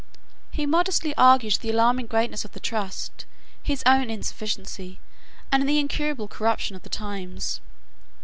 He modestly argued the alarming greatness of the trust, his own insufficiency, and the incurable corruption of the times.